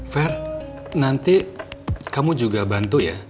fair nanti kamu juga bantu ya